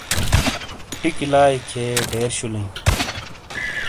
ٹیکی لائی کھئیے ڈیر شولئی۔